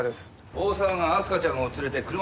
大沢が明日香ちゃんを連れて車で消えた。